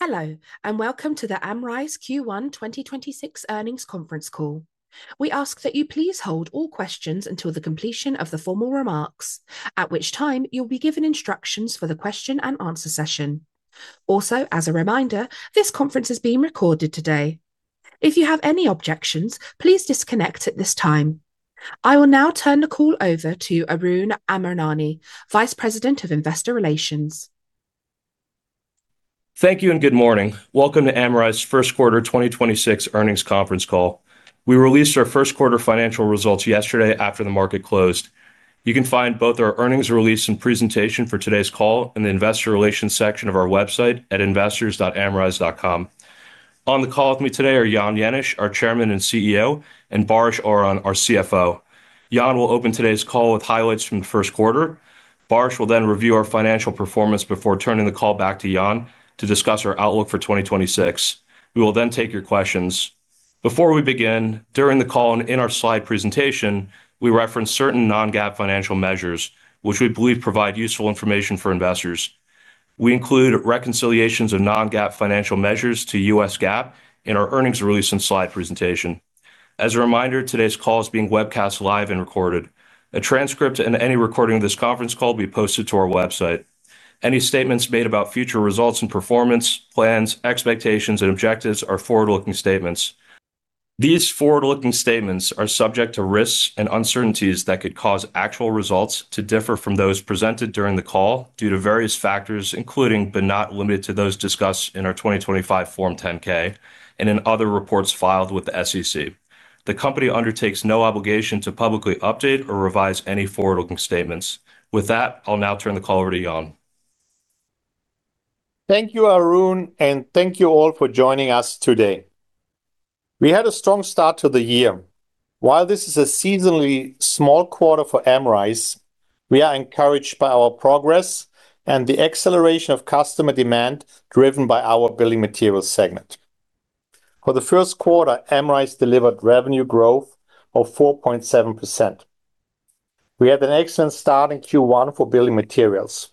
Hello, and welcome to the Amrize Q1 2026 earnings conference call. We ask that you please hold all questions until the completion of the formal remarks, at which time you'll be given instructions for the question and answer session. Also, as a reminder, this conference is being recorded today. If you have any objections, please disconnect at this time. I will now turn the call over to Aroon Amarnani, Vice President of Investor Relations. Thank you and good morning. Welcome to Amrize first quarter 2026 earnings conference call. We released our first quarter financial results yesterday after the market closed. You can find both our earnings release and presentation for today's call in the investor relations section of our website at investors.amrize.com. On the call with me today are Jan Jenisch, our Chairman and CEO, and Baris Oran, our CFO. Jan will open today's call with highlights from the first quarter. Baris will then review our financial performance before turning the call back to Jan to discuss our outlook for 2026. We will then take your questions. Before we begin, during the call and in our slide presentation, we reference certain non-GAAP financial measures which we believe provide useful information for investors. We include reconciliations of non-GAAP financial measures to US GAAP in our earnings release and slide presentation. As a reminder, today's call is being webcast live and recorded. A transcript and any recording of this conference call will be posted to our website. Any statements made about future results and performance, plans, expectations and objectives are forward-looking statements. These forward-looking statements are subject to risks and uncertainties that could cause actual results to differ from those presented during the call due to various factors, including, but not limited to those discussed in our 2025 Form 10-K and in other reports filed with the SEC. The company undertakes no obligation to publicly update or revise any forward-looking statements. With that, I'll now turn the call over to Jan. Thank you, Aroon, and thank you all for joining us today. We had a strong start to the year. While this is a seasonally small quarter for Amrize, we are encouraged by our progress and the acceleration of customer demand driven by our building materials segment. For the first quarter, Amrize delivered revenue growth of 4.7%. We had an excellent start in Q1 for building materials.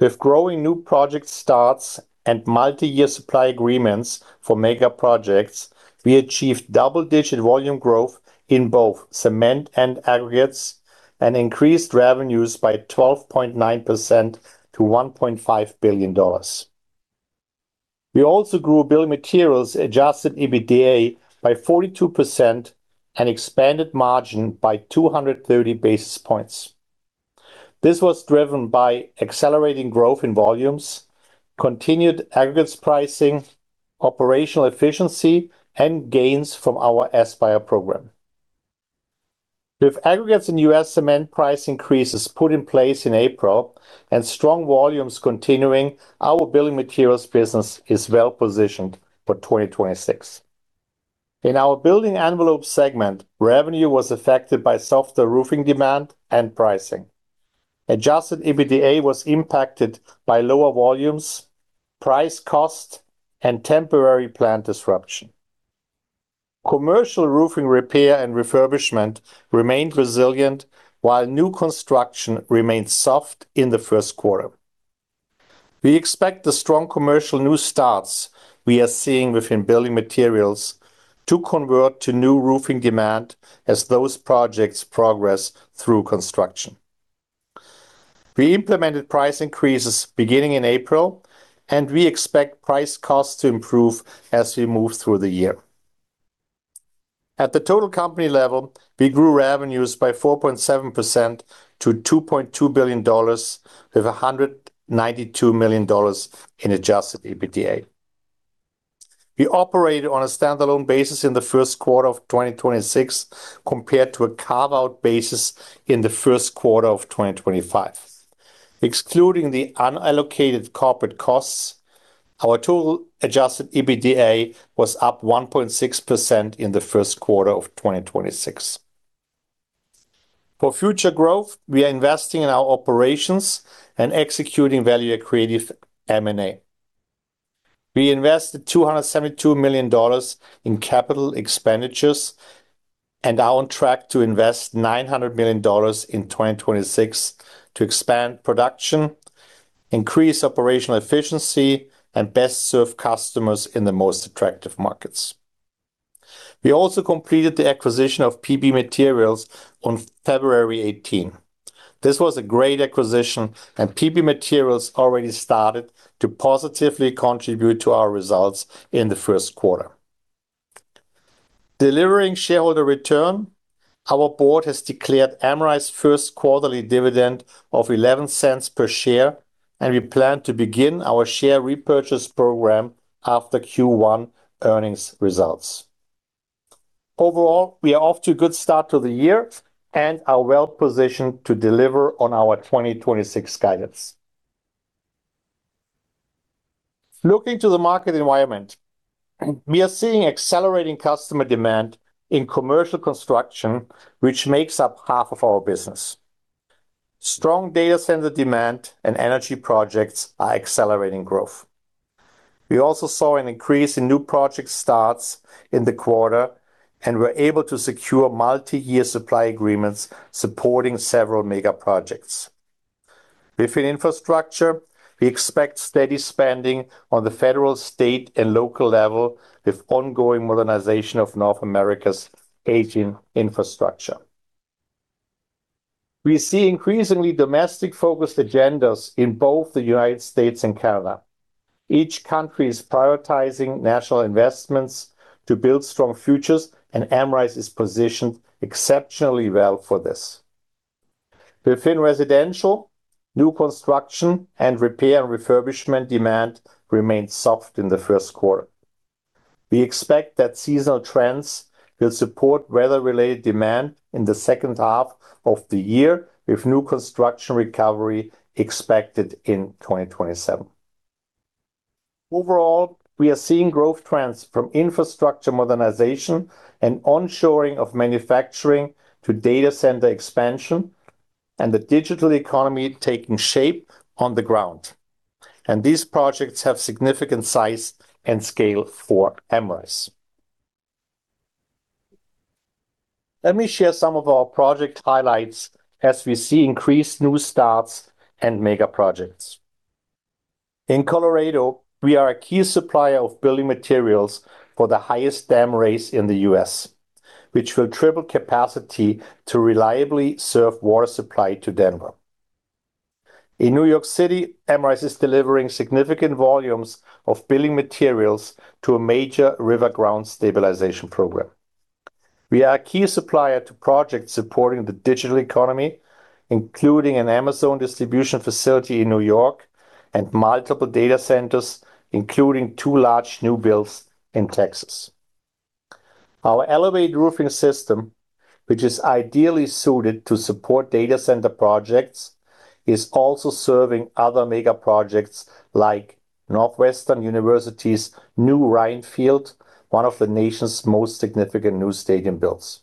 With growing new project starts and multi-year supply agreements for mega projects, we achieved double-digit volume growth in both cement and aggregates and increased revenues by 12.9% billion-$1.5 billion. We also grew building materials adjusted EBITDA by 42% and expanded margin by 230 basis points. This was driven by accelerating growth in volumes, continued aggregates pricing, operational efficiency and gains from our ASPIRE program. With aggregates and U.S. cement price increases put in place in April and strong volumes continuing, our building materials business is well-positioned for 2026. In our building envelope segment, revenue was affected by softer roofing demand and pricing. Adjusted EBITDA was impacted by lower volumes, price cost and temporary plant disruption. Commercial roofing repair and refurbishment remained resilient while new construction remained soft in the first quarter. We expect the strong commercial new starts we are seeing within building materials to convert to new roofing demand as those projects progress through construction. We implemented price increases beginning in April, and we expect price cost to improve as we move through the year. At the total company level, we grew revenues by 4.7% to $2.2 billion with $192 million in adjusted EBITDA. We operated on a standalone basis in the first quarter of 2026 compared to a carve-out basis in the first quarter of 2025. Excluding the unallocated corporate costs, our total adjusted EBITDA was up 1.6% in the first quarter of 2026. For future growth, we are investing in our operations and executing value-accretive M&A. We invested $272 million in capital expenditures and are on track to invest $900 million in 2026 to expand production, increase operational efficiency and best serve customers in the most attractive markets. We also completed the acquisition of PB Materials on February 18th. This was a great acquisition, and PB Materials already started to positively contribute to our results in the first quarter. Delivering shareholder return, our board has declared Amrize first quarterly dividend of $0.11 per share, and we plan to begin our share repurchase program after Q1 earnings results. Overall, we are off to a good start to the year and are well-positioned to deliver on our 2026 guidance. Looking to the market environment, we are seeing accelerating customer demand in commercial construction, which makes up half of our business. Strong data center demand and energy projects are accelerating growth. We also saw an increase in new project starts in the quarter and were able to secure multi-year supply agreements supporting several mega projects. Within infrastructure, we expect steady spending on the federal, state, and local level with ongoing modernization of North America's aging infrastructure. We see increasingly domestic-focused agendas in both the United States and Canada. Each country is prioritizing national investments to build strong futures. Amrize is positioned exceptionally well for this. Within residential, new construction and repair and refurbishment demand remained soft in the first quarter. We expect that seasonal trends will support weather-related demand in the second half of the year with new construction recovery expected in 2027. Overall, we are seeing growth trends from infrastructure modernization and onshoring of manufacturing to data center expansion and the digital economy taking shape on the ground. These projects have significant size and scale for Amrize. Let me share some of our project highlights as we see increased new starts and mega projects. In Colorado, we are a key supplier of building materials for the highest dam raise in the U.S., which will triple capacity to reliably serve water supply to Denver. In New York City, Amrize is delivering significant volumes of building materials to a major river ground stabilization program. We are a key supplier to projects supporting the digital economy, including an Amazon distribution facility in New York and multiple data centers, including two large new builds in Texas. Our elevated roofing system, which is ideally suited to support data center projects, is also serving other mega projects like Northwestern University's new Ryan Field, one of the nation's most significant new stadium builds.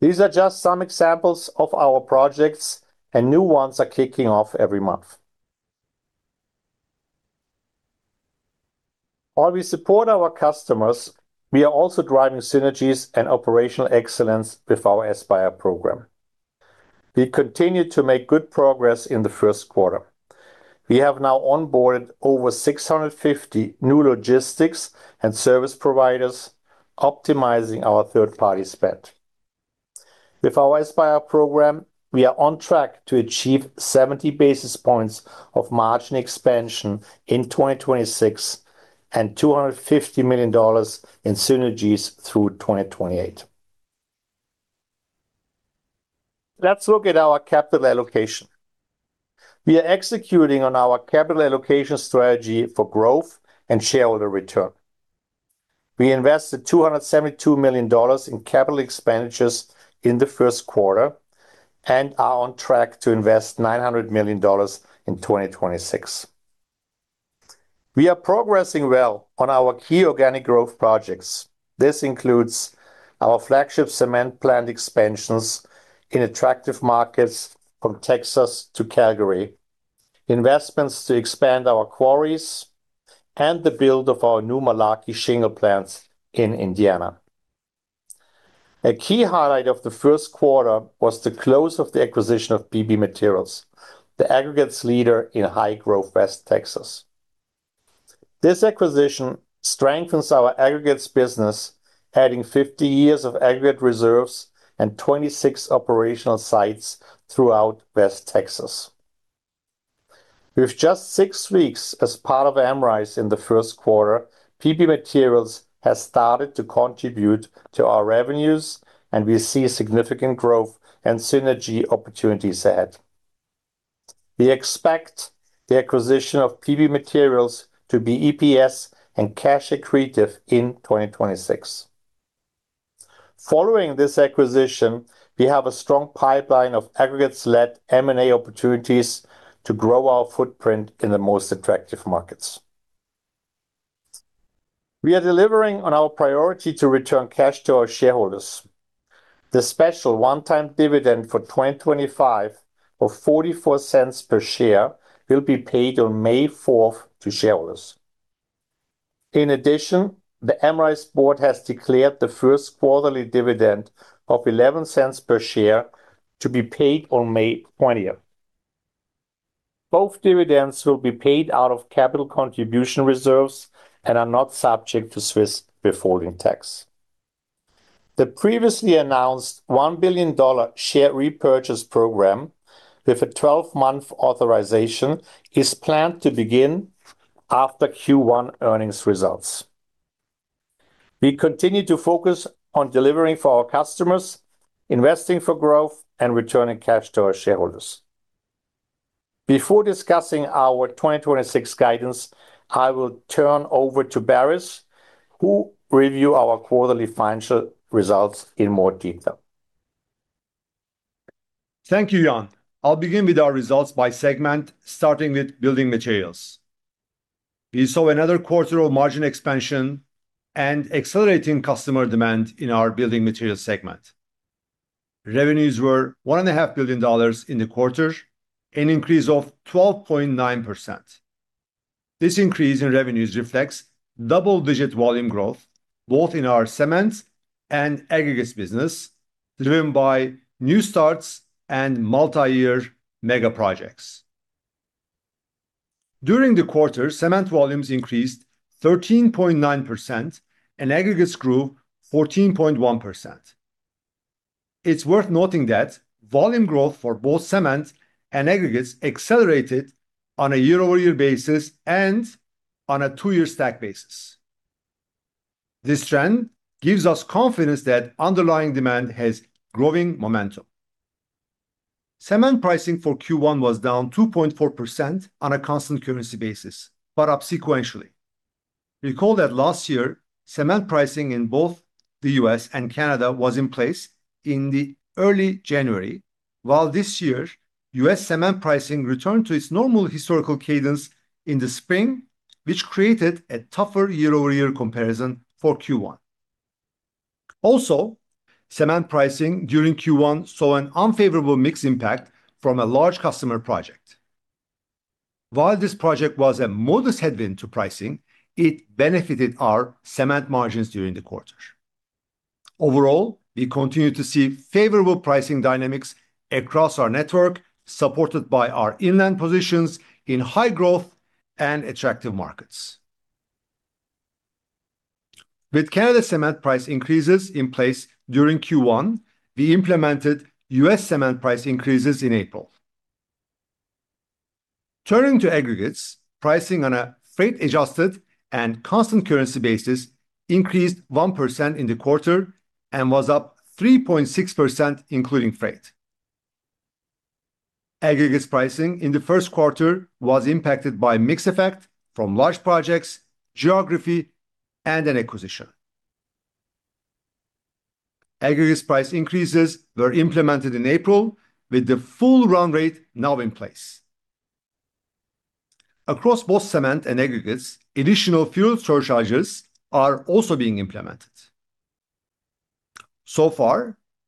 These are just some examples of our projects, and new ones are kicking off every month. While we support our customers, we are also driving synergies and operational excellence with our ASPIRE program. We continue to make good progress in the first quarter. We have now onboard over 650 new logistics and service providers, optimizing our third-party spend. With our ASPIRE program, we are on track to achieve 70 basis points of margin expansion in 2026 and $250 million in synergies through 2028. Let's look at our capital allocation. We are executing on our capital allocation strategy for growth and shareholder return. We invested $272 million in capital expenditures in the 1st quarter and are on track to invest $900 million in 2026. We are progressing well on our key organic growth projects. This includes our flagship cement plant expansions in attractive markets from Texas to Calgary, investments to expand our quarries, and the build of our new Malarkey shingle plants in Indiana. A key highlight of the 1st quarter was the close of the acquisition of PB Materials, the aggregates leader in high-growth West Texas. This acquisition strengthens our aggregates business, adding 50 years of aggregate reserves and 26 operational sites throughout West Texas. With just six weeks as part of Amrize in the first quarter, PB Materials has started to contribute to our revenues, and we see significant growth and synergy opportunities ahead. We expect the acquisition of PB Materials to be EPS and cash accretive in 2026. Following this acquisition, we have a strong pipeline of aggregates-led M&A opportunities to grow our footprint in the most attractive markets. We are delivering on our priority to return cash to our shareholders. The special one-time dividend for 2025 of $0.44 per share will be paid on May 4th to shareholders. In addition, the Amrize board has declared the first quarterly dividend of $0.11 per share to be paid on May 20th. Both dividends will be paid out of capital contribution reserves and are not subject to Swiss withholding tax. The previously announced $1 billion share repurchase program with a 12-month authorization is planned to begin after Q1 earnings results. We continue to focus on delivering for our customers, investing for growth, and returning cash to our shareholders. Before discussing our 2026 guidance, I will turn over to Baris, who review our quarterly financial results in more detail. Thank you, Jan. I'll begin with our results by segment, starting with building materials. We saw another quarter of margin expansion and accelerating customer demand in our building materials segment. Revenues were one and a half billion dollars in the quarter, an increase of 12.9%. This increase in revenues reflects double-digit volume growth both in our cement and aggregates business driven by new starts and multi-year mega projects. During the quarter, cement volumes increased 13.9%, and aggregates grew 14.1%. It's worth noting that volume growth for both cement and aggregates accelerated on a year-over-year basis and on a two-year stack basis. This trend gives us confidence that underlying demand has growing momentum. Cement pricing for Q1 was down 2.4% on a constant currency basis, but up sequentially. Recall that last year, cement pricing in both the U.S. and Canada was in place in the early January, while this year U.S. cement pricing returned to its normal historical cadence in the spring, which created a tougher year-over-year comparison for Q1. Cement pricing during Q1 saw an unfavorable mix impact from a large customer project. While this project was a modest headwind to pricing, it benefited our cement margins during the quarter. Overall, we continue to see favorable pricing dynamics across our network, supported by our inland positions in high growth and attractive markets. With Canada cement price increases in place during Q1, we implemented U.S. cement price increases in April. Turning to aggregates, pricing on a freight-adjusted and constant currency basis increased 1% in the quarter and was up 3.6% including freight. Aggregates pricing in the first quarter was impacted by mix effect from large projects, geography, and an acquisition. Aggregates price increases were implemented in April with the full run rate now in place. Across both cement and aggregates, additional fuel surcharges are also being implemented. So far,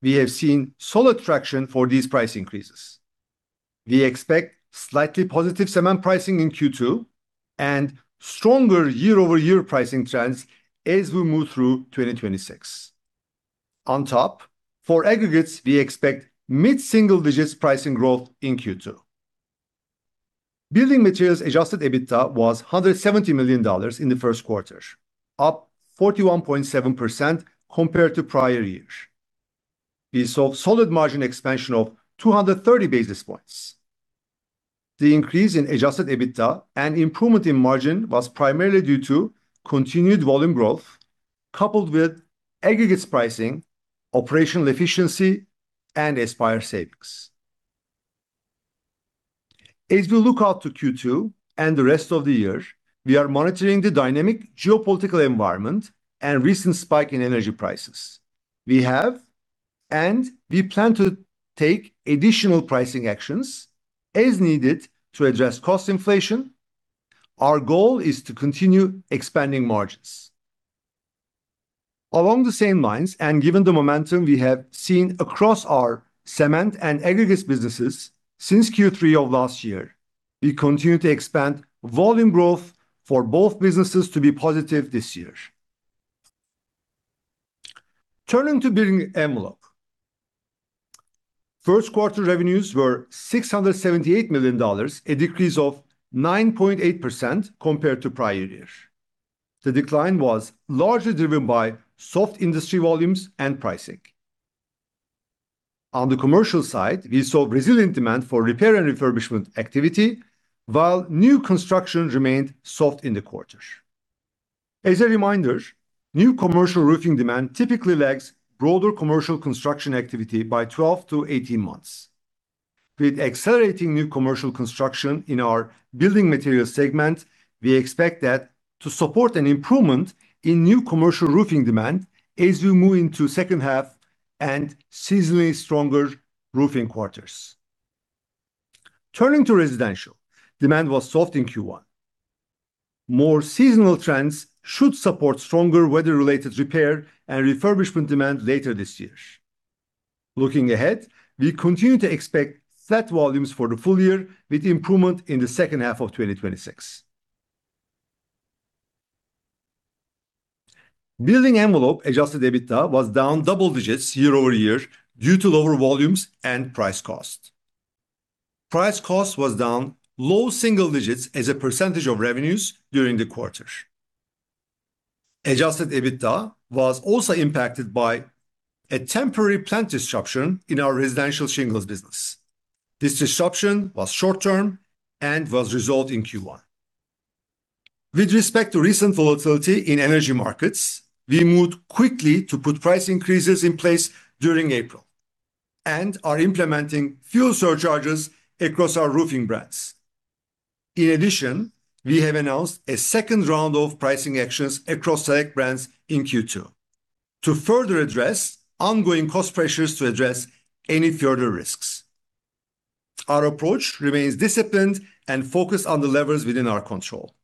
We have seen solid traction for these price increases. We expect slightly positive cement pricing in Q2 and stronger year-over-year pricing trends as we move through 2026. On top, for aggregates, we expect mid-single digits pricing growth in Q2. Building materials adjusted EBITDA was $170 million in the first quarter, up 41.7% compared to prior year. We saw solid margin expansion of 230 basis points. The increase in adjusted EBITDA and improvement in margin was primarily due to continued volume growth, coupled with aggregates pricing, operational efficiency, and ASPIRE savings. As we look out to Q2 and the rest of the year, we are monitoring the dynamic geopolitical environment and recent spike in energy prices. We have, and we plan to take additional pricing actions as needed to address cost inflation. Our goal is to continue expanding margins. Along the same lines, and given the momentum we have seen across our cement and aggregates businesses since Q3 of last year, we continue to expand volume growth for both businesses to be positive this year. Turning to building envelope. First quarter revenues were $678 million, a decrease of 9.8% compared to prior year. The decline was largely driven by soft industry volumes and pricing. On the commercial side, we saw resilient demand for repair and refurbishment activity, while new construction remained soft in the quarter. As a reminder, new commercial roofing demand typically lags broader commercial construction activity by 12 to 18 months. With accelerating new commercial construction in our building material segment, we expect that to support an improvement in new commercial roofing demand as we move into second half and seasonally stronger roofing quarters. Turning to residential demand was soft in Q1. More seasonal trends should support stronger weather-related repair and refurbishment demand later this year. Looking ahead, we continue to expect flat volumes for the full year with improvement in the second half of 2026. Building envelope adjusted EBITDA was down double digits year-over-year due to lower volumes and price cost. Price cost was down low single digits as a percentage of revenues during the quarter. Adjusted EBITDA was also impacted by a temporary plant disruption in our residential shingles business. This disruption was short-term and was resolved in Q1. With respect to recent volatility in energy markets, we moved quickly to put price increases in place during April and are implementing fuel surcharges across our roofing brands. In addition, we have announced a second round of pricing actions across select brands in Q2 to further address ongoing cost pressures to address any further risks. Our approach remains disciplined and focused on the levers within our control.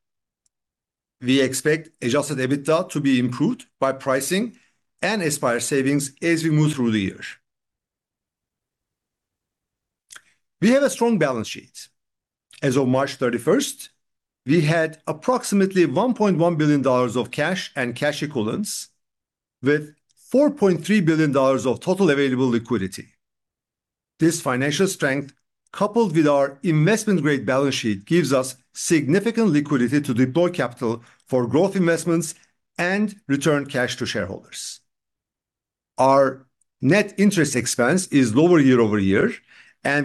We expect adjusted EBITDA to be improved by pricing and ASPIRE savings as we move through the year. We have a strong balance sheet. As of March 31st, we had approximately $1.1 billion of cash and cash equivalents with $4.3 billion of total available liquidity. This financial strength, coupled with our investment-grade balance sheet, gives us significant liquidity to deploy capital for growth investments and return cash to shareholders. Our net interest expense is lower year-over-year.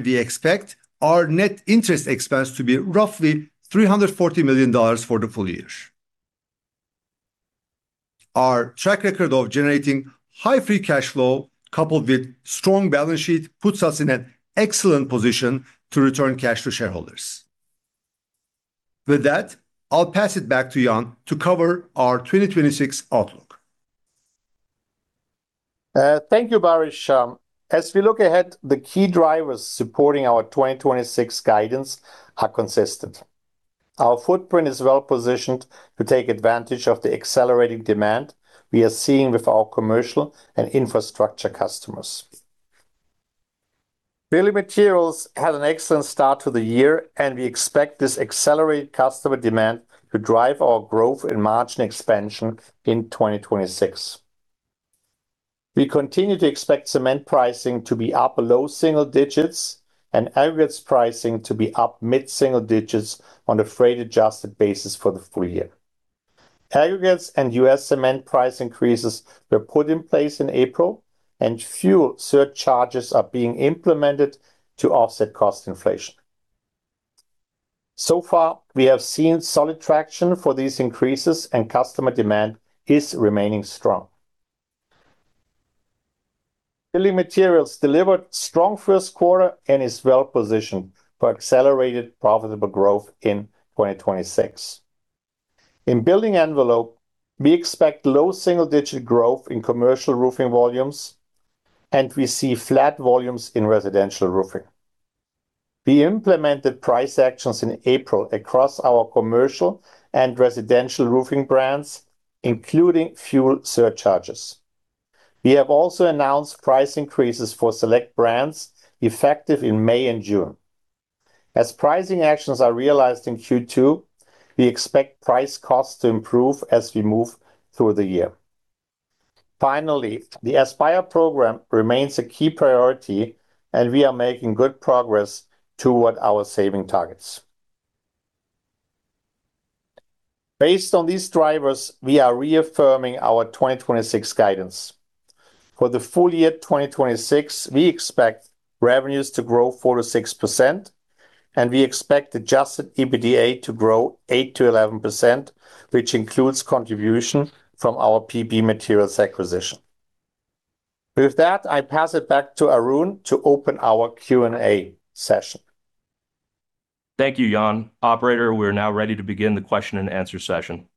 We expect our net interest expense to be roughly $340 million for the full year. Our track record of generating high free cash flow coupled with strong balance sheet puts us in an excellent position to return cash to shareholders. With that, I'll pass it back to Jan to cover our 2026 outlook. Thank you, Baris. As we look ahead, the key drivers supporting our 2026 guidance are consistent. Our footprint is well-positioned to take advantage of the accelerating demand we are seeing with our commercial and infrastructure customers. Building Materials had an excellent start to the year, and we expect this accelerated customer demand to drive our growth and margin expansion in 2026. We continue to expect cement pricing to be up low single digits and aggregates pricing to be up mid-single digits on a freight adjusted basis for the full year. Aggregates and U.S. cement price increases were put in place in April, and fuel surcharges are being implemented to offset cost inflation. We have seen solid traction for these increases and customer demand is remaining strong. Building Materials delivered strong first quarter and is well positioned for accelerated profitable growth in 2026. In building envelope, we expect low single-digit growth in commercial roofing volumes, and we see flat volumes in residential roofing. We implemented price actions in April across our commercial and residential roofing brands, including fuel surcharges. We have also announced price increases for select brands effective in May and June. As pricing actions are realized in Q2, we expect price costs to improve as we move through the year. Finally, the ASPIRE program remains a key priority, and we are making good progress toward our saving targets. Based on these drivers, we are reaffirming our 2026 guidance. For the full year 2026, we expect revenues to grow 4%-6%, and we expect adjusted EBITDA to grow 8%-11%, which includes contribution from our PB Materials acquisition. With that, I pass it back to Aroon to open our Q&A session. Thank you, Jan. Operator, we are now ready to begin the question-and-answer session.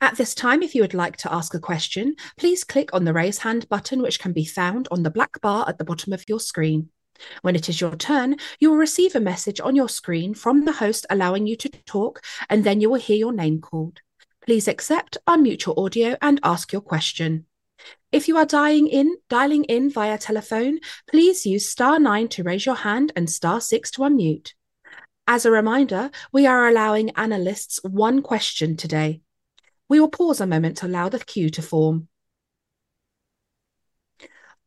At this time, if you would like to ask a question, please click on the Raise Hand button, which can be found on the black bar at the bottom of your screen. When it is your turn, you will receive a message on your screen from the host allowing you to talk, and then you will hear your name called. Please accept, unmute your audio, and ask your question. If you are dialing in via telephone, please use star nine to raise your hand and star six to unmute. As a reminder, we are allowing analysts one question today. We will pause a moment to allow the queue to form.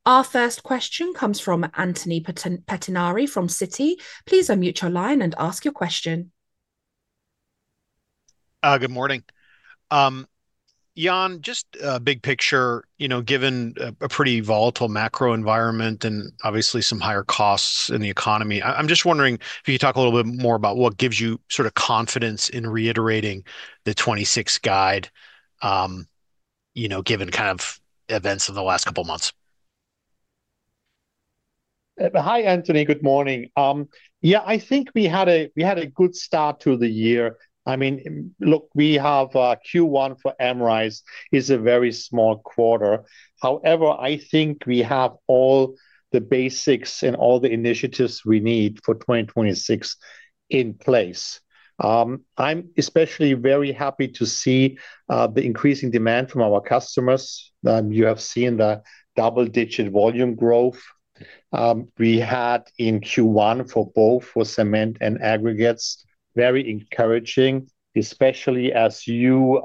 Our first question comes from Anthony Pettinari from Citi. Please unmute your line and ask your question. Good morning. Jan, just, big picture, you know, given a pretty volatile macro environment and obviously some higher costs in the economy. I'm just wondering if you could talk a little bit more about what gives you sort of confidence in reiterating the 2026 guide, you know, given kind of events of the last couple months? Hi, Anthony. Good morning. Yeah, I think we had a good start to the year. I mean, look, we have Q1 for Amrize is a very small quarter. However, I think we have all the basics and all the initiatives we need for 2026 in place. I'm especially very happy to see the increasing demand from our customers. You have seen the double-digit volume growth we had in Q1 for both for cement and aggregates. Very encouraging, especially as you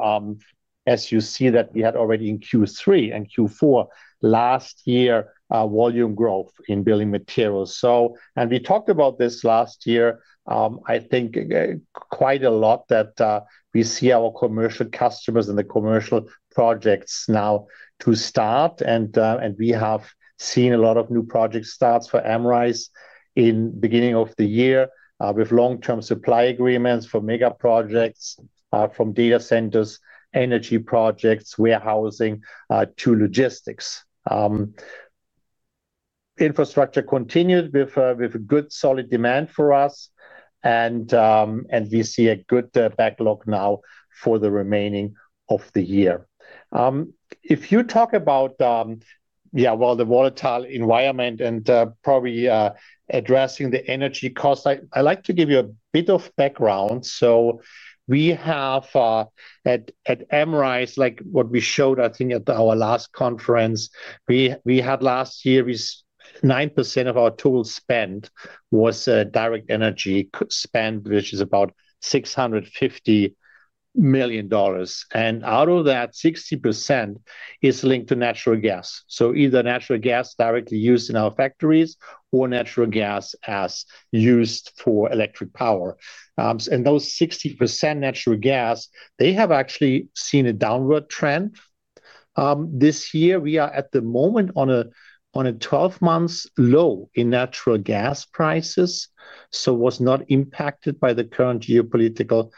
as you see that we had already in Q3 and Q4 last year volume growth in building materials. We talked about this last year, I think quite a lot that we see our commercial customers and the commercial projects now to start. We have seen a lot of new project starts for Amrize in beginning of the year, with long-term supply agreements for mega projects, from data centers, energy projects, warehousing, to logistics. Infrastructure continued with good solid demand for us, and we see a good backlog now for the remaining of the year. If you talk about the volatile environment and probably addressing the energy costs. I'd like to give you a bit of background. We have at Amrize, like what we showed, I think at our last conference. We had last year is 9% of our total spend was direct energy spend, which is about $650 million. Out of that, 60% is linked to natural gas. Either natural gas directly used in our factories or natural gas as used for electric power. Those 60% natural gas, they have actually seen a downward trend. This year we are at the moment on a 12 months low in natural gas prices, so was not impacted by the current geopolitical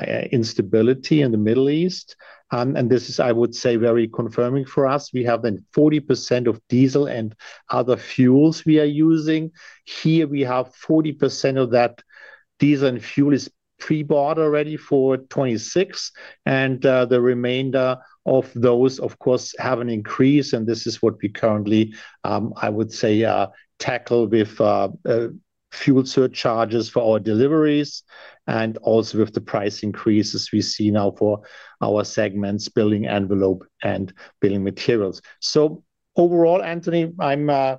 instability in the Middle East. This is, I would say, very confirming for us. We have 40% of diesel and other fuels we are using. Here we have 40% of that diesel and fuel is pre-bought already for 2026. The remainder of those, of course, have an increase, and this is what we currently, I would say, tackle with fuel surcharges for our deliveries and also with the price increases we see now for our segments, building envelope and building materials. Overall, Anthony, I'm I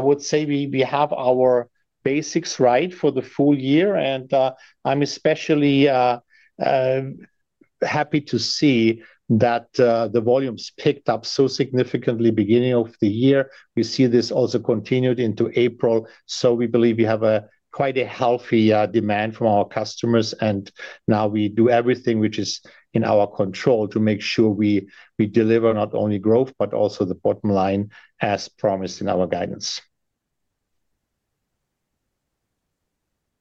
would say we have our basics right for the full year. I'm especially happy to see that the volumes picked up so significantly beginning of the year. We see this also continued into April. We believe we have a quite a healthy demand from our customers. Now we do everything which is in our control to make sure we deliver not only growth, but also the bottom line as promised in our guidance.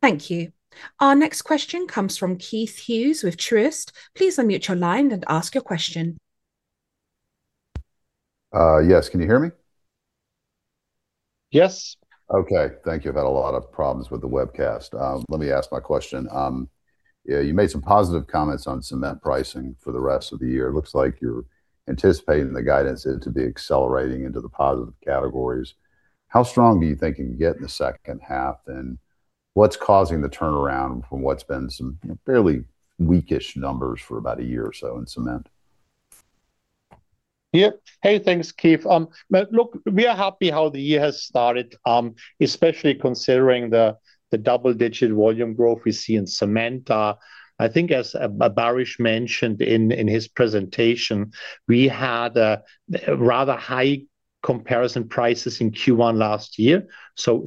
Thank you. Our next question comes from Keith Hughes with Truist. Please unmute your line and ask your question. Yes. Can you hear me? Yes. Okay. Thank you. I've had a lot of problems with the webcast. Let me ask my question. Yeah, you made some positive comments on cement pricing for the rest of the year. It looks like you're anticipating the guidance to be accelerating into the positive categories. How strong do you think it can get in the second half, and what's causing the turnaround from what's been some fairly weak-ish numbers for about a year or so in cement? Yeah. Hey, thanks, Keith. Look, we are happy how the year has started, especially considering the double-digit volume growth we see in cement. I think as Baris mentioned in his presentation, we had rather high comparison prices in Q1 last year.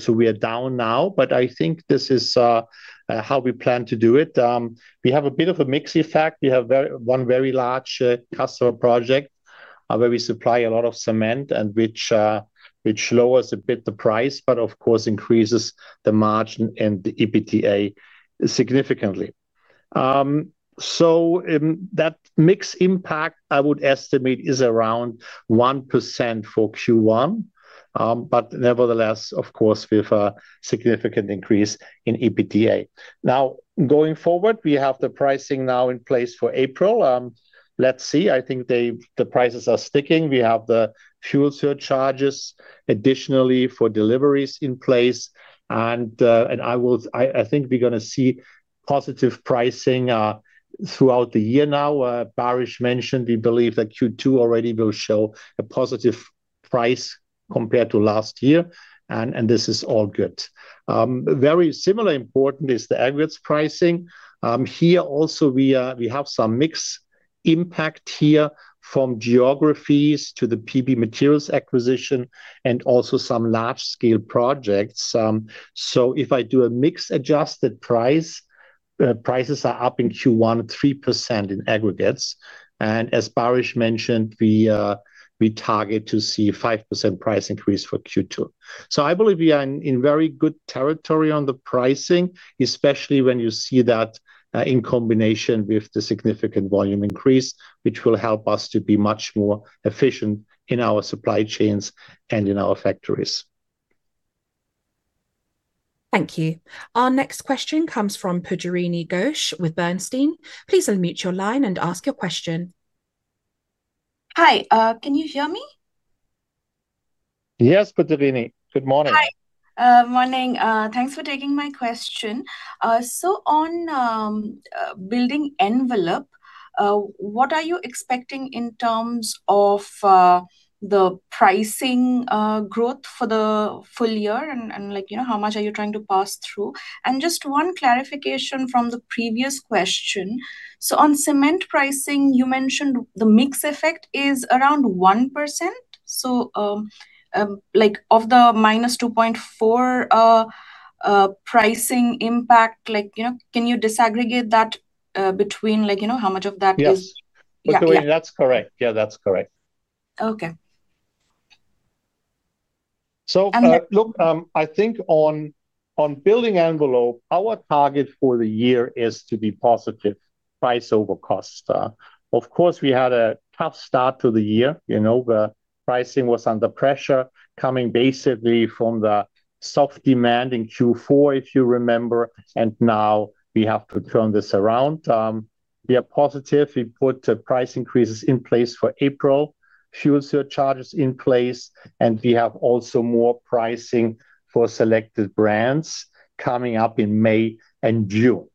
We are down now, but I think this is how we plan to do it. We have a bit of a mix effect. We have one very large customer project, where we supply a lot of cement and which lowers a bit the price, but of course increases the margin and the EBITDA significantly. That mix impact I would estimate is around 1% for Q1. Nevertheless, of course, we have a significant increase in EBITDA. Going forward, we have the pricing now in place for April. Let's see. I think they, the prices are sticking. We have the fuel surcharges additionally for deliveries in place. I think we're gonna see positive pricing throughout the year now. Baris mentioned we believe that Q2 already will show a positive price compared to last year. This is all good. Very similar important is the aggregates pricing. Here also we are, we have some mix impact here from geographies to the PB Materials acquisition and also some large scale projects. If I do a mix adjusted price, prices are up in Q1 3% in aggregates. As Baris mentioned, we target to see 5% price increase for Q2. I believe we are in very good territory on the pricing, especially when you see that in combination with the significant volume increase, which will help us to be much more efficient in our supply chains and in our factories. Thank you. Our next question comes from Pujarini Ghosh with Bernstein. Please unmute your line and ask your question. Hi. Can you hear me? Yes, Pujarini. Good morning. Hi. Morning. Thanks for taking my question. On building envelope, what are you expecting in terms of the pricing growth for the full year? Like, you know, how much are you trying to pass through? Just one clarification from the previous question. On cement pricing, you mentioned the mix effect is around 1%. Like of the -2.4 pricing impact, like, you know, can you disaggregate that between like, you know, how much of that is? Yes. Yeah. Yeah. Pujarini, that's correct. Yeah, that's correct. Okay. I think on building envelope, our target for the year is to be positive price over cost. Of course, we had a tough start to the year. You know, the pricing was under pressure coming basically from the soft demand in Q4, if you remember. Now we have to turn this around. We are positive. We put price increases in place for April, fuel surcharges in place, and we have also more pricing for selected brands coming up in May and June.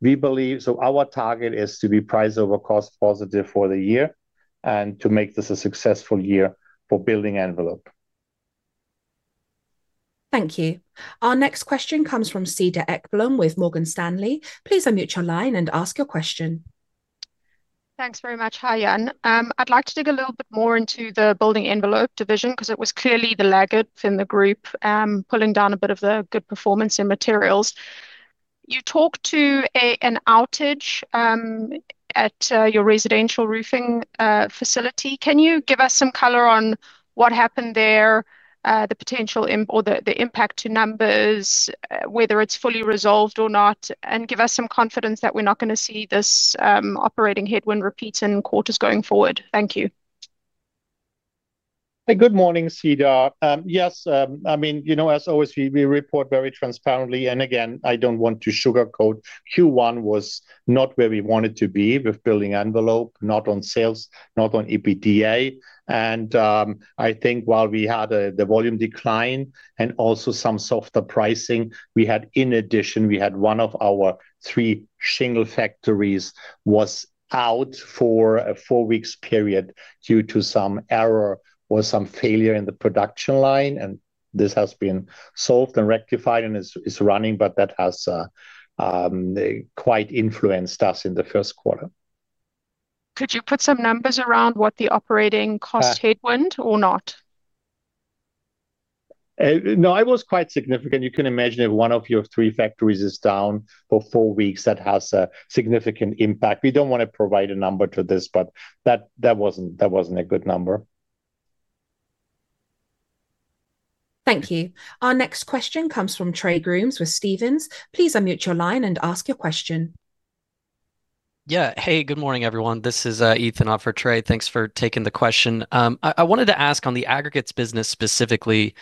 We believe our target is to be price over cost positive for the year, and to make this a successful year for building envelope. Thank you. Our next question comes from Cedar Ekblom with Morgan Stanley. Please unmute your line and ask your question. Thanks very much. Hi, Jan. I'd like to dig a little bit more into the building envelope division, 'cause it was clearly the laggard within the group, pulling down a bit of the good performance in materials. You talk to an outage at your residential roofing facility. Can you give us some color on what happened there, the potential impact to numbers, whether it's fully resolved or not, and give us some confidence that we're not gonna see this operating headwind repeat in quarters going forward? Thank you. Hey. Good morning, Cedar. Yes, you know, as always, we report very transparently, and again, I don't want to sugarcoat. Q1 was not where we wanted to be with building envelope, not on sales, not on EBITDA. I think while we had the volume decline and also some softer pricing, in addition, we had one of our three shingle factories was out for a four weeks period due to some error or some failure in the production line, and this has been solved and rectified and is running, but that has quite influenced us in the first quarter. Could you put some numbers around what the operating cost-? Uh-... headwind or not? No, it was quite significant. You can imagine if one of your three factories is down for four weeks, that has a significant impact. We don't want to provide a number to this, but that wasn't a good number. Thank you. Our next question comes from Trey Grooms with Stephens. Please unmute your line and ask your question. Yeah. Hey, good morning, everyone. This is Ethan on for Trey. Thanks for taking the question. I wanted to ask on the aggregates business specifically,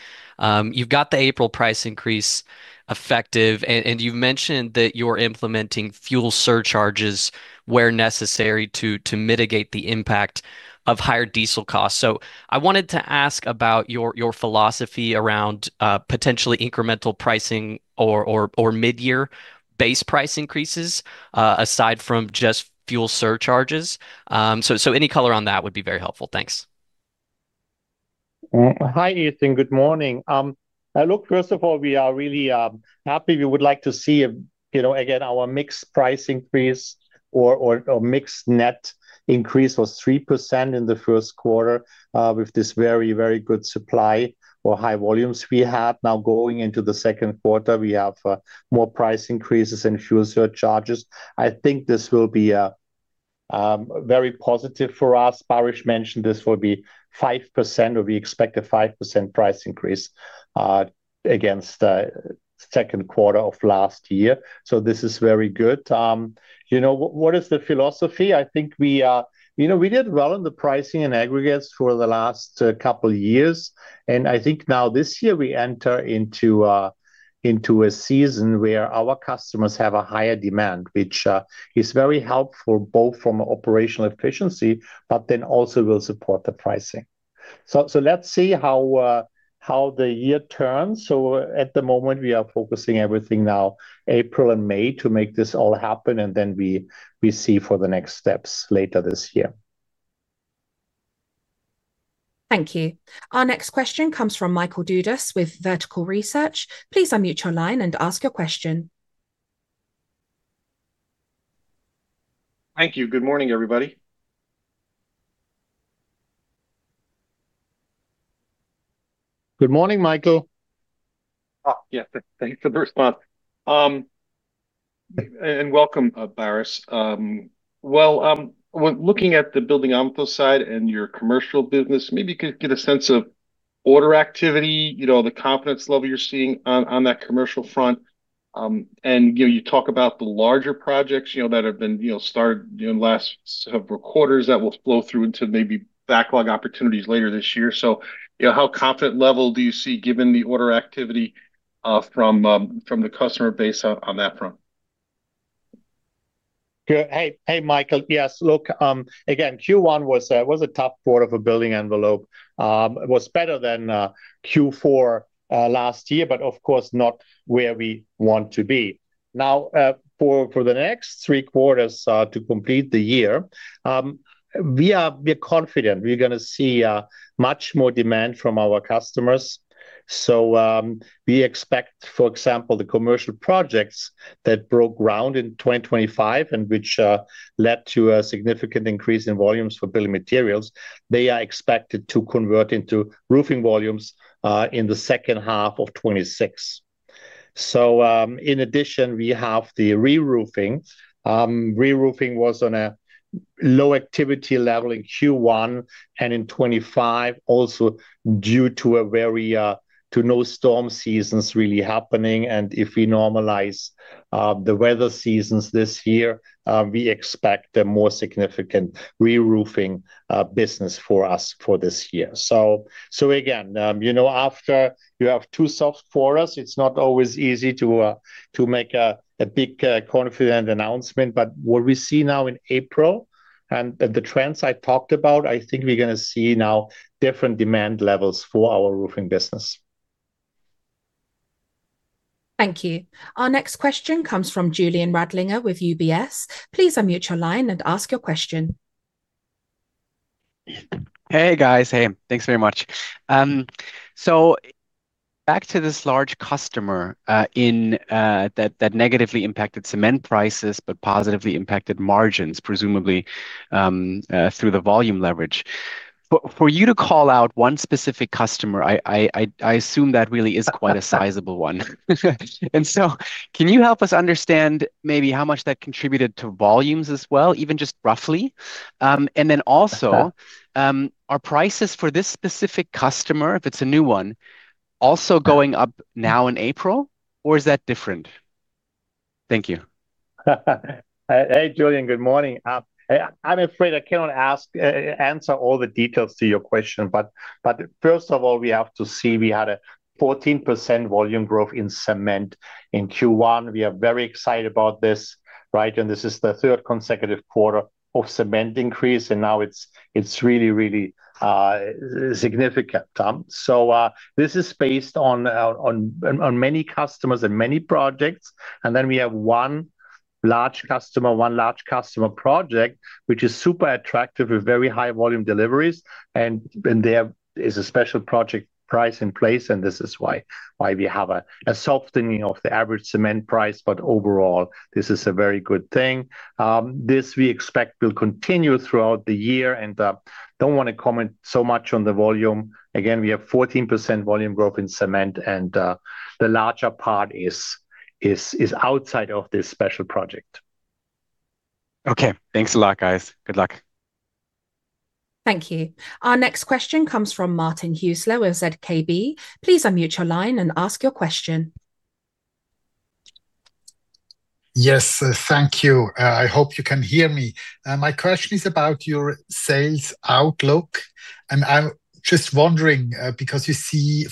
you've got the April price increase effective and you've mentioned that you're implementing fuel surcharges where necessary to mitigate the impact of higher diesel costs. I wanted to ask about your philosophy around potentially incremental pricing or mid-year base price increases, aside from just fuel surcharges. Any color on that would be very helpful. Thanks. Hi, Ethan. Good morning. Look, first of all, we are really happy. We would like to see, you know, again, our mixed price increase or a mixed net increase was 3% in the first quarter, with this very, very good supply or high volumes we have now going into the second quarter. We have more price increases and fuel surcharges. I think this will be very positive for us. Baris mentioned this will be 5%, or we expect a 5% price increase against second quarter of last year. This is very good. You know, what is the philosophy? I think we, you know, we did well in the pricing and aggregates for the last couple of years. I think now this year we enter into a season where our customers have a higher demand, which is very helpful both from operational efficiency, but then also will support the pricing. Let's see how the year turns. At the moment we are focusing everything now April and May to make this all happen. Then we see for the next steps later this year. Thank you. Our next question comes from Michael Dudas with Vertical Research. Please unmute your line and ask your question. Thank you. Good morning, everybody. Good morning, Michael. Yes. Thanks for the response. And welcome, Baris. Well, when looking at the building envelope side and your commercial business, maybe you could get a sense of order activity, you know, the confidence level you're seeing on that commercial front. And, you know, you talk about the larger projects, you know, that have been, you know, started, you know, in the last several quarters that will flow through into maybe backlog opportunities later this year. You know, how confident level do you see given the order activity from the customer base on that front? Yeah. Hey, Michael. Yes. Look, again, Q1 was a tough quarter for building envelope. It was better than Q4 last year, of course not where we want to be. For the next three quarters to complete the year, we're confident we're going to see much more demand from our customers. We expect, for example, the commercial projects that broke ground in 2025 and which led to a significant increase in volumes for building materials, they are expected to convert into roofing volumes in the second half of 2026. In addition, we have the reroofing. Reroofing was on a low activity level in Q1 and in 2025 also due to no storm seasons really happening. If we normalize the weather seasons this year, we expect a more significant reroofing business for us for this year. Again, you know, after you have two soft quarters, it's not always easy to make a big, confident announcement. What we see now in April and the trends I talked about, I think we're going to see now different demand levels for our roofing business. Thank you. Our next question comes from Julian Radlinger with UBS. Please unmute your line and ask your question. Hey, guys. Hey, thanks very much. Back to this large customer, in, that negatively impacted cement prices but positively impacted margins presumably, through the volume leverage. For you to call out one specific customer, I assume that really is quite a sizable one. Can you help us understand maybe how much that contributed to volumes as well, even just roughly? Then also, are prices for this specific customer, if it's a new one, also going up now in April? Or is that different? Thank you. Hey, Julian, good morning. I'm afraid I cannot answer all the details to your question, but first of all, we have to see we had a 14% volume growth in cement in Q1. We are very excited about this, right? This is the third consecutive quarter of cement increase, and now it's really significant. This is based on many customers and many projects. Then we have one large customer project which is super attractive with very high volume deliveries. Then there is a special project price in place, and this is why we have a softening of the average cement price. Overall, this is a very good thing. This we expect will continue throughout the year. Don't want to comment so much on the volume. Again, we have 14% volume growth in cement and the larger part is outside of this special project. Okay. Thanks a lot, guys. Good luck. Thank you. Our next question comes from Martin Hüsler with ZKB. Please unmute your line and ask your question. Yes, thank you. I hope you can hear me. My question is about your sales outlook, and I'm just wondering, because foresee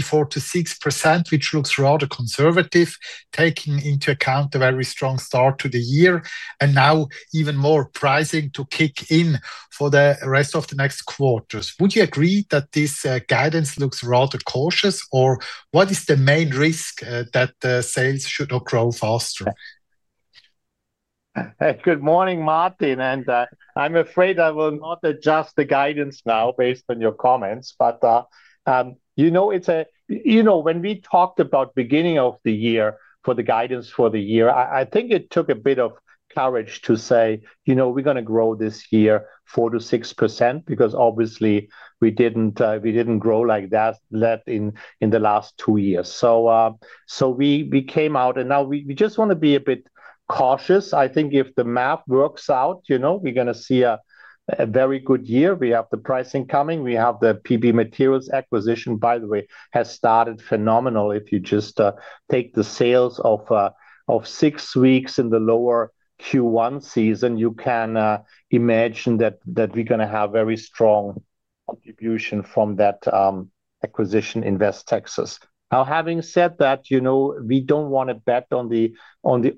4%-6%, which looks rather conservative, taking into account the very strong start to the year and now even more pricing to kick in for the rest of the next quarters. Would you agree that this guidance looks rather cautious, or what is the main risk that the sales should not grow faster? Good morning, Martin, I'm afraid I will not adjust the guidance now based on your comments. You know, it's a. You know, when we talked about beginning of the year for the guidance for the year, I think it took a bit of courage to say, "You know, we're gonna grow this year 4% to 6%," because obviously we didn't grow like that in the last two years. We came out and now we just want to be a bit cautious. I think if the map works out, you know, we're gonna see a very good year. We have the pricing coming. We have the PB Materials acquisition, by the way, has started phenomenal. If you just take the sales of six weeks in the lower Q1 season, you can imagine that we're gonna have very strong contribution from that acquisition in West Texas. Having said that, you know, we don't want to bet on the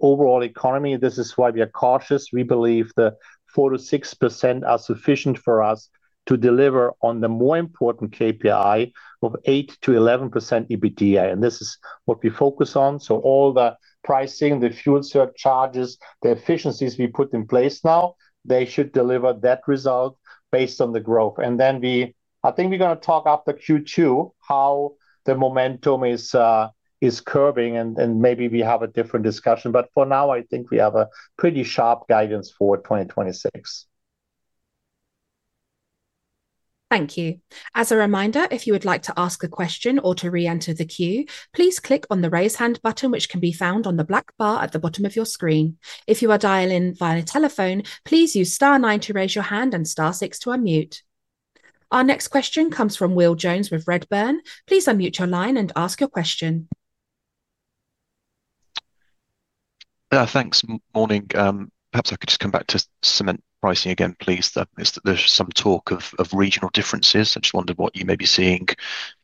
overall economy. This is why we are cautious. We believe the 4%-6% are sufficient for us to deliver on the more important KPI of 8%-11% EBITDA, this is what we focus on. All the pricing, the fuel surcharges, the efficiencies we put in place now, they should deliver that result based on the growth. I think we're gonna talk after Q2 how the momentum is curbing and maybe we have a different discussion. For now, I think we have a pretty sharp guidance for 2026. Thank you. As a reminder, if you would like to ask a question or to reenter the queue, please click on the Raise Hand button which can be found on the black bar at the bottom of your screen. If you are dialing in via telephone, please use star nine to raise your hand and star six to unmute. Our next question comes from Will Jones with Redburn. Please unmute your line and ask your question. Thanks. Morning. Perhaps I could just come back to cement pricing again, please. There's some talk of regional differences. I just wondered what you may be seeing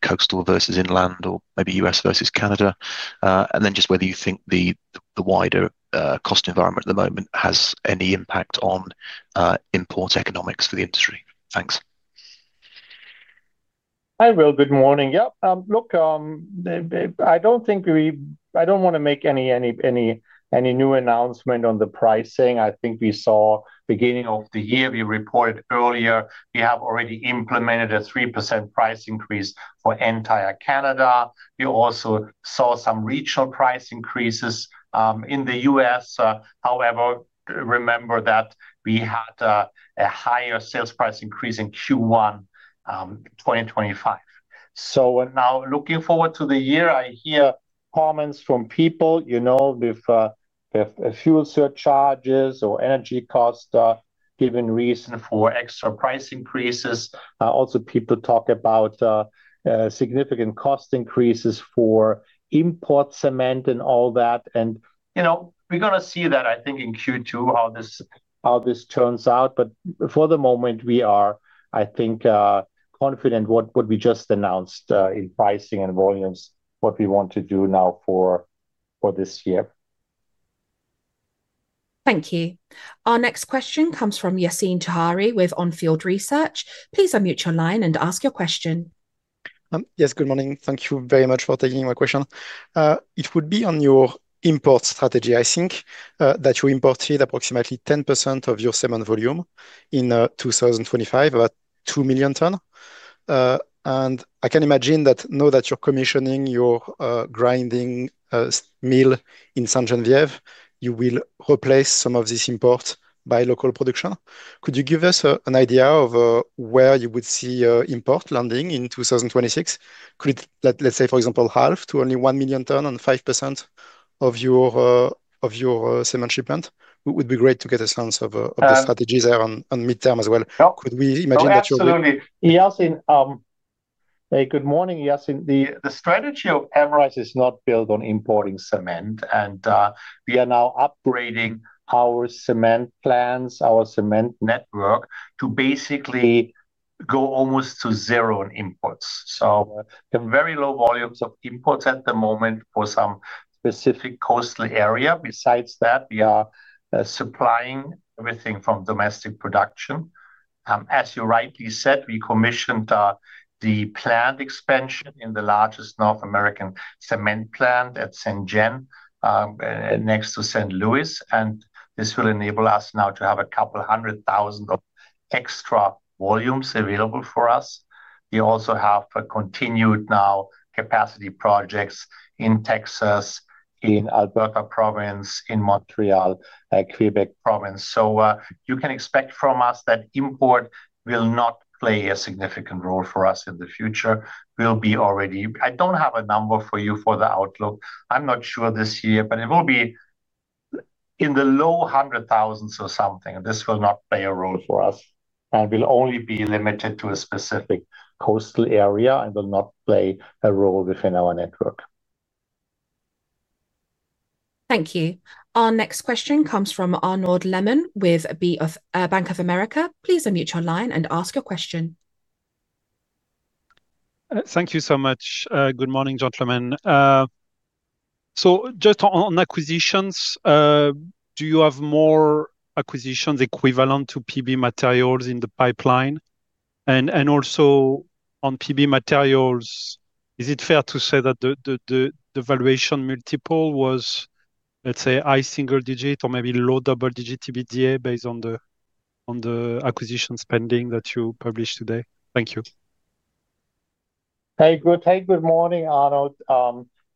coastal versus inland or maybe U.S. versus Canada. Then just whether you think the wider cost environment at the moment has any impact on import economics for the industry. Thanks. Hi, Will. Good morning. Yeah. I don't want to make any new announcement on the pricing. I think we saw beginning of the year, we reported earlier we have already implemented a 3% price increase for entire Canada. You also saw some regional price increases in the U.S. However, remember that we had a higher sales price increase in Q1 2025. Now looking forward to the year, I hear comments from people, you know, with fuel surcharges or energy costs giving reason for extra price increases. Also people talk about significant cost increases for import cement and all that. You know, we're gonna see that, I think, in Q2, how this turns out. For the moment we are, I think, confident what we just announced in pricing and volumes, what we want to do now for this year. Thank you. Our next question comes from Yassine Touahri with On Field Research. Please unmute your line and ask your question. Yes, good morning. Thank you very much for taking my question. It would be on your import strategy. I think that you imported approximately 10% of your cement volume in 2025, about 2 million tons. I can imagine that now that you're commissioning your grinding mill in Ste. Genevieve, you will replace some of this import by local production. Could you give us an idea of where you would see import landing in 2026? Could, let's say, for example, 0.5 million to 1 million tons and 5% of your cement shipment. Would be great to get a sense of the strategies there on midterm as well. Yeah. Could we imagine that? No, absolutely. Yassine, good morning, Yassine. The strategy of Amrize is not built on importing cement. We are now upgrading our cement plants, our cement network to basically go almost to zero on imports. The very low volumes of imports at the moment for some specific coastal area. Besides that, we are supplying everything from domestic production. As you rightly said, we commissioned the plant expansion in the largest North American cement plant at Ste. Genevieve next to St. Louis. This will enable us now to have a couple 100,000 of extra volumes available for us. We also have a continued now capacity projects in Texas, in Alberta province, in Montreal, Quebec province. You can expect from us that import will not play a significant role for us in the future. We'll be all ready. I don't have a number for you for the outlook. I'm not sure this year, but it will be in the low 100,000s or something. This will not play a role for us, and will only be limited to a specific coastal area and will not play a role within our network. Thank you. Our next question comes from Arnaud Lehmann with Bank of America. Please unmute your line and ask your question. Thank you so much. Good morning, gentlemen. Just on acquisitions, do you have more acquisitions equivalent to PB Materials in the pipeline? Also on PB Materials, is it fair to say that the valuation multiple was, let's say, high single-digit or maybe low double-digit EBITDA based on the acquisition spending that you published today? Thank you. Good morning, Arnaud.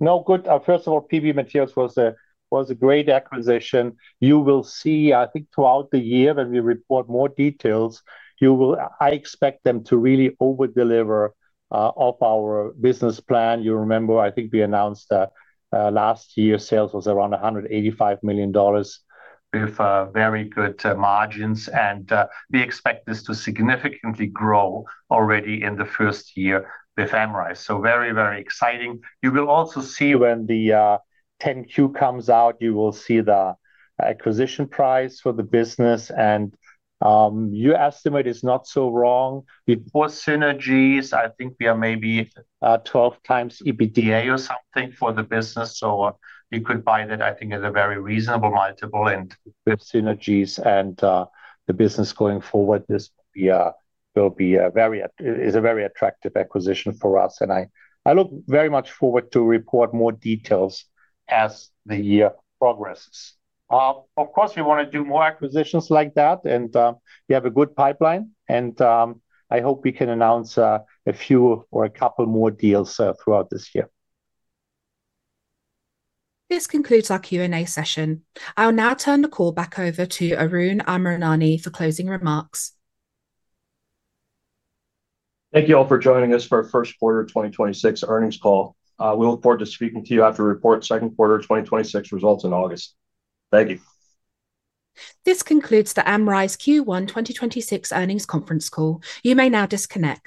No, good. First of all, PB Materials was a great acquisition. You will see, I think, throughout the year when we report more details, I expect them to really over-deliver off our business plan. You remember, I think we announced that last year sales was around $185 million with very good margins. We expect this to significantly grow already in the first year with Amrize, so very exciting. You will also see when the 10-Q comes out, you will see the acquisition price for the business and your estimate is not so wrong. Before synergies, I think we are maybe 12x EBITDA or something for the business. You could buy that, I think, at a very reasonable multiple. With synergies and the business going forward, this is a very attractive acquisition for us, and I look very much forward to report more details as the year progresses. Of course, we wanna do more acquisitions like that and we have a good pipeline, and I hope we can announce a few or a couple more deals throughout this year. This concludes our Q&A session. I'll now turn the call back over to Aroon Amarnani for closing remarks. Thank you all for joining us for our first quarter of 2026 earnings call. We look forward to speaking to you after we report second quarter of 2026 results in August. Thank you. This concludes the Amrize Q1 2026 earnings conference call. You may now disconnect.